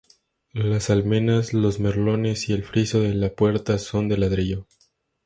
Las almenas, los merlones y el friso de la puerta son de ladrillo.